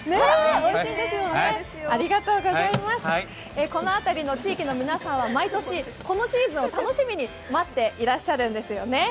おいしいですよね、この辺りの地域の皆さんは毎年、このシーズンを楽しみに待っていらっしゃるんですよね。